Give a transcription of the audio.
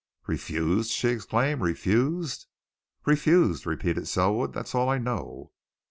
"Refused?" she exclaimed. "Refused?" "Refused," repeated Selwood. "That's all I know."